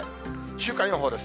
週間予報です。